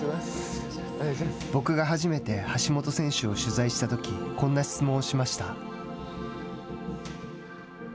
僕が初めて橋本選手を取材したときこんな質問をしました。